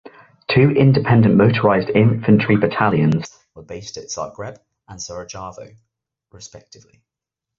Two independent motorized infantry battalions were based at Zagreb and Sarajevo respectively.